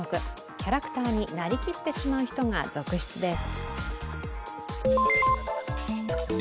キャラクターになりきってしまう人が続出です。